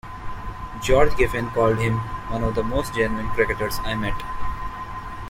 George Giffen called him "one of the most genuine cricketers I met".